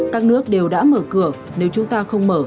các nước đều đã mở cửa nếu chúng ta không mở